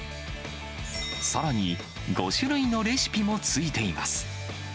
さらに、５種類のレシピもついています。